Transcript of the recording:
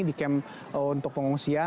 di camp untuk pengungsian